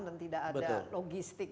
dan tidak ada logistik